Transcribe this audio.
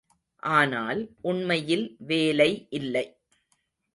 ஆனால், உண்மையில் வேலை இல்லை.